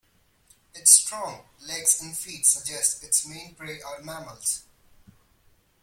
Its strong legs and feet suggest its main prey are mammals.